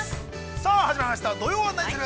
さあ、始まりました「土曜はナニする！？」